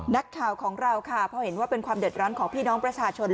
นักข่าวของเราค่ะพอเห็นว่าเป็นความเดือดร้อนของพี่น้องประชาชน